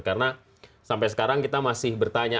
karena sampai sekarang kita masih bertanya